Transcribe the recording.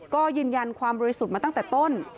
ก็ยืนยันความบริสุทธิ์มาตั้งแต่ต้น